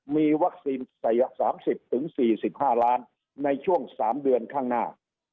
มีวัคซีน๓๐๔๕ล้านในช่วง๓เดือนข้างหน้า